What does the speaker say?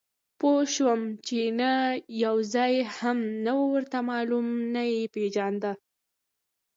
پوه شوم چې یو ځای هم نه و ورته معلوم، نه یې پېژانده.